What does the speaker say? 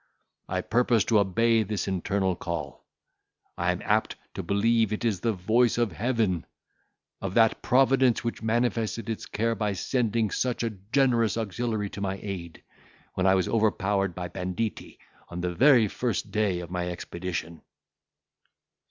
I purpose to obey this internal call. I am apt to believe it is the voice of Heaven—of that Providence which manifested its care by sending such a generous auxiliary to my aid, when I was overpowered by banditti, on the very first day of my expedition."